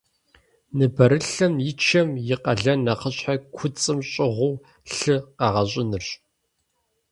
Ныбэрылъым и чэм и къалэн нэхъыщхьэр куцӏым щӏыгъуу лъы къэгъэщӏынырщ.